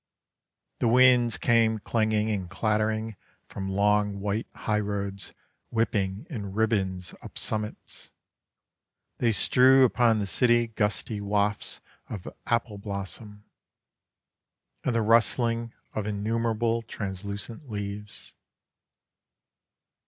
The winds came clanging and clattering From long white highroads whipping in ribbons up summits: They strew upon the city gusty wafts of appleblossom, And the rustling of innumerable translucent leaves.